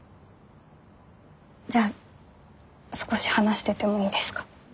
じゃあ少し話しててもいいですか？